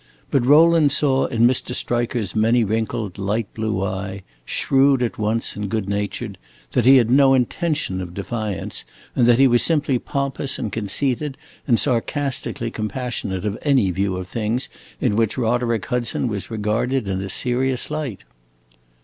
But Rowland saw in Mr. Striker's many wrinkled light blue eye, shrewd at once and good natured, that he had no intention of defiance, and that he was simply pompous and conceited and sarcastically compassionate of any view of things in which Roderick Hudson was regarded in a serious light.